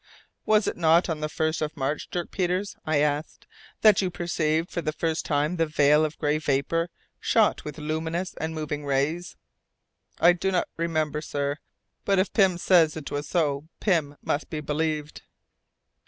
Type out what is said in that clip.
"Was it not on the 1st of March, Dirk Peters," I asked, "that you perceived for the first time the veil of grey vapour shot with luminous and moving rays?" "I do not remember, sir, but if Pym says it was so, Pym must be believed."